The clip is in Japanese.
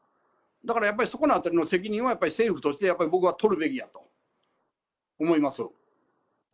だからやっぱりそこのあたりの責任は、やっぱり政府としてやっぱり僕は取るべきだと思います。